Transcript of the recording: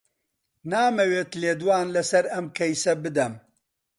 نامەوێت لێدوان لەسەر ئەم کەیسە بدەم.